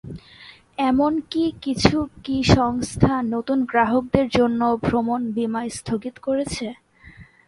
এমনকি কিছু কি সংস্থা নতুন গ্রাহকদের জন্য ভ্রমণ বিমা স্থগিত করেছে?